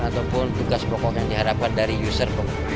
ataupun tugas pokok yang diharapkan dari user